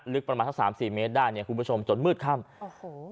ลึกประมาณสักสามสี่เมตรได้เนี่ยคุณผู้ชมจนมืดค่ำโอ้โห